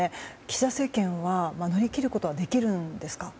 岸田政権は乗り切ることはできるんでしょうか。